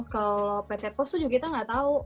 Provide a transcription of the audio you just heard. kalau pt pos tuh juga kita nggak tahu